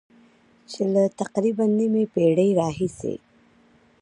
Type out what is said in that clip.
چي له تقریباً نیمي پېړۍ راهیسي ..